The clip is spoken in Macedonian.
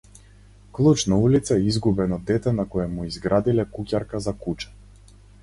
Клуч на улица, изгубен од дете на кое му изградиле куќарка за куче.